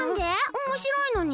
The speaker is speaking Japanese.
おもしろいのに？